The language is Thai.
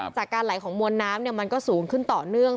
จากการไหลของมวลน้ำมันก็สูงขึ้นต่อเนื่อง